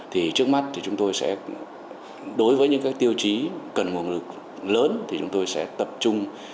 thì trước mắt thì chúng tôi sẽ đối với những tiêu chí cần nguồn lực lớn thì chúng tôi sẽ tập trung